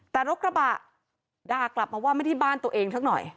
แต่รถกระบะด่ากลับมาว่าไม่ได้บ้านตัวเองสักหน่อย